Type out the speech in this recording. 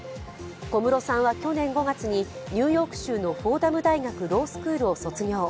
小室さんは去年５月にニューヨーク州のフォーダム大学ロースクールを卒業。